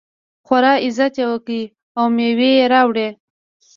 خورا عزت یې وکړ او مېوې یې راوړې.